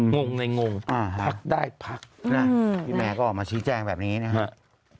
งงในงงอ่าฮะพักได้พักอืมแม่ก็ออกมาชี้แจ้งแบบนี้นะฮะอ่า